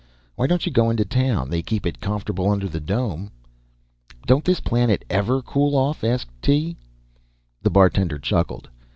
Why don't you go into town? They keep it comfortable under the dome." "Don't this planet ever cool off?" asked Tee. The bartender chuckled.